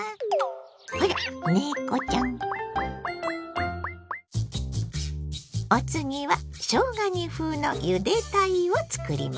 あら猫ちゃん！お次はしょうが煮風のゆで鯛を作ります。